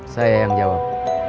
saya yang jawab